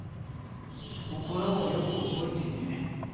そこからはよく覚えてねえ。